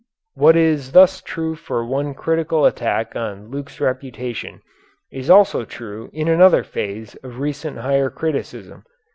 What is thus true for one critical attack on Luke's reputation is also true in another phase of recent higher criticism.